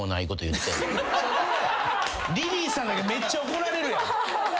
リリーさんだけめっちゃ怒られるやん。